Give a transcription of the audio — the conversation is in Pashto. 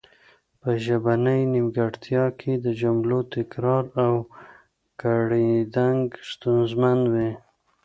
په ژبنۍ نیمګړتیا کې د جملو تکرار او ګړیدنګ ستونزمن وي